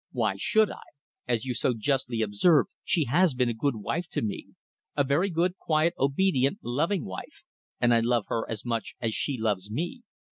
"Why should I? As you so justly observed, she has been a good wife to me. A very good, quiet, obedient, loving wife, and I love her as much as she loves me.